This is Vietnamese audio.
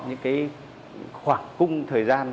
những cái khoảng cung thời gian